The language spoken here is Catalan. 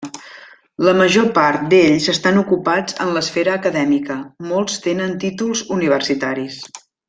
La major part d'ells estan ocupats en l'esfera acadèmica, molts tenen títols universitaris.